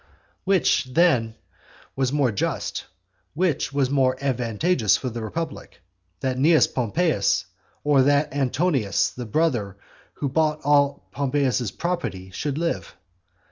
Which, then, was more just, which was more advantageous for the republic, that Cnaeus Pompeius, or that Antonius the brother who bought all Pompeius's property, should live?